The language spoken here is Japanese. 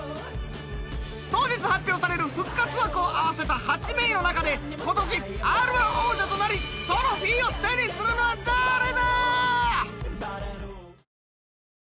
当日発表される復活枠を合わせた８名の中で今年Ｒ−１王者となりトロフィーを手にするのは誰だ？